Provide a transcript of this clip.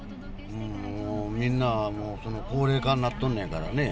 もう、みんな高齢化になっとるんのやからね。